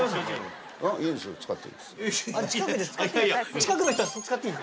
近くの人は使っていい？